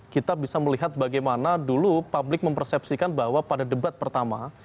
kita bisa melihat bagaimana dulu publik mempersepsikan bahwa pada debat pertama